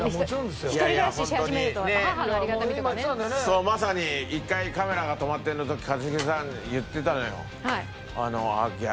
そうまさに１回カメラが止まっている時一茂さん言ってたのよ。